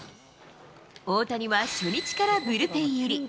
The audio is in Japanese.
大谷は初日からブルペン入り。